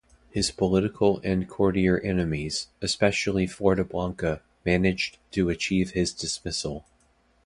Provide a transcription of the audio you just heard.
His political and courtier enemies, especially Floridablanca, managed to achieve his dismissal.